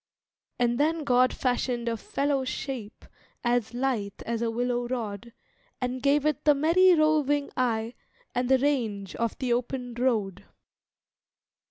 And then God fashioned a fellow shape As lithe as a willow rod, And gave it the merry roving eye And the range of the open road.